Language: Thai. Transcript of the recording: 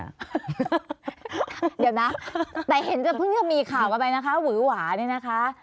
เดี๋ยวนะแต่เห็นจะเพิ่งจะมีข่าวกันไปนะคะหวือหวาเนี่ยนะคะ